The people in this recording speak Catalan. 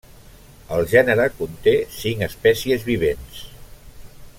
El gènere conté cinc espècies vivents.